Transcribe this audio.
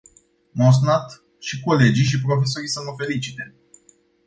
M-au sunat și colegii și profesorii să mă felicite.